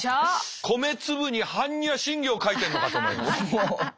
米粒に般若心経書いてるのかと思いました。